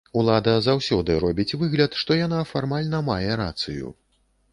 Улада заўсёды робіць выгляд, што яна фармальна мае рацыю.